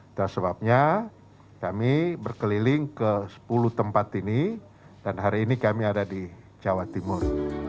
itu sebabnya kami berkeliling ke sepuluh tempat ini dan hari ini kami ada di jawa timur